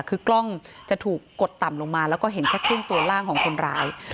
คือกล้องจะถูกกดต่ำลงมาแล้วก็เห็นแค่ครึ่งตัวล่างของคนร้าย